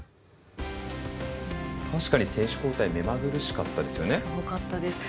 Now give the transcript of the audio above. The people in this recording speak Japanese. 確かに選手交代めまぐるしかったですよね。